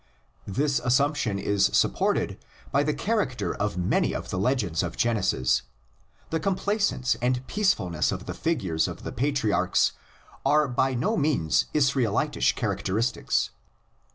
This assumption is supported by the character of many of the legends of Genesis: the complaisance and peacefulness of the figures of the patriarchs are by no means Israelitish charac teristics.